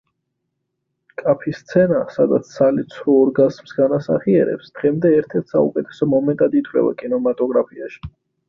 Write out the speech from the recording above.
კაფის სცენა სადაც სალი ცრუ ორგაზმს განასახიერებს, დღემდე ერთ-ერთ საუკეთესო მომენტად ითვლება კინემატოგრაფიაში.